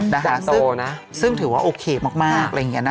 นะคะโตนะซึ่งถือว่าโอเคมากอะไรอย่างนี้นะ